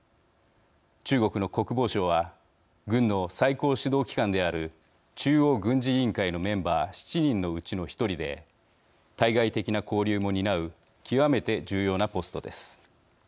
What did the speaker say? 中国の国防相は軍の最高指導機関である中央軍事委員会のメンバー７人のうちの１人で対外的な交流も担う極めて重要なポストです。